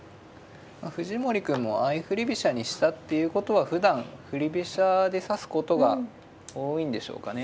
藤森くんも相振り飛車にしたっていうことはふだん振り飛車で指すことが多いんでしょうかね。